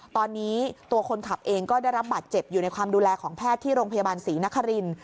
ตอนนี้ตัวคนขับเองก็ได้รับบาดเจ็บอยู่ในความดูแลของแพทย์ที่โรงพยาบาลศรีนคริน